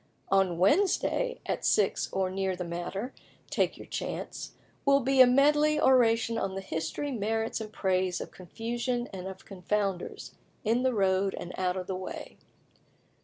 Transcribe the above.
"On Wednesday, at six or near the matter, take your chance, will be a medley oration on the history, merits, and praise of confusion and of confounders, in the road and out of the way.